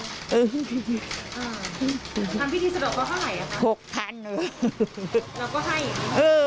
ทำพิธีสะดอกเคาะให้หกพันเราก็ให้